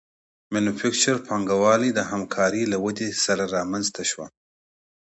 مینوفکچور پانګوالي د همکارۍ له ودې سره رامنځته شوه